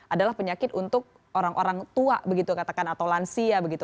adalah penyakit untuk orang orang tua begitu katakan atau lansia begitu